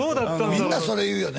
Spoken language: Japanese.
みんなそれ言うよね